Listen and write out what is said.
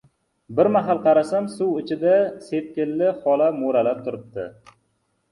Bir mahal qarasam, suv ichida Sepkilli xola mo‘ralab turibdi.